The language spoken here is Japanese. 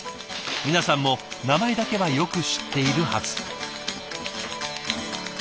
皆さんも名前だけはよく知っているはず。